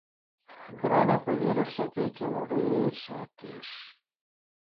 ګرانه په دې رخصتۍ کې به مو ډېر ساعت تېر شي.